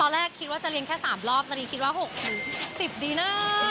แรกคิดว่าจะเลี้ยงแค่๓รอบตอนนี้คิดว่า๖๐ดีนะ